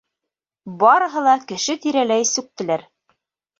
Барыһы ла кеше тирәләй сүктеләр.